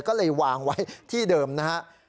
ก็เลยวางไว้ที่เดิมนะครับ